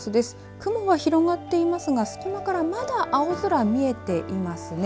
雲が広がっていますが、隙間からまだ青空見えていますね。